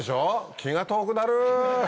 気が遠くなる。